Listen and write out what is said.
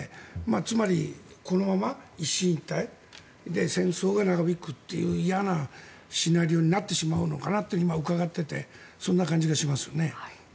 つまり、このまま一進一退で戦争が長引くという嫌なシナリオになってしまうのかなって今、伺っててそんな感じがしますよね。